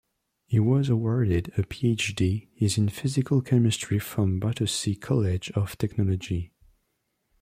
He was awarded a PhD is in physical chemistry from Battersea College of Technology.